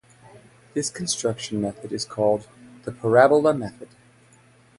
This construction method is called the "parabola method".